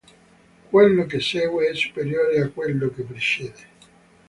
Quello che segue è superiore a quello che precede.